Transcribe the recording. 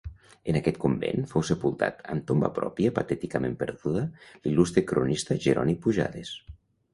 En aquest convent fou sepultat, amb tomba pròpia patèticament perduda, l'il·lustre cronista Jeroni Pujades.